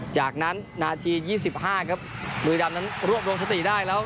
จากนั้นนาทียี่สิบห้าครับมือดำนั้นรวบรวมชะติได้แล้ว